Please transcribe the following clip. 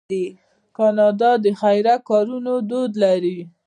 کاناډا د خیریه کارونو دود لري.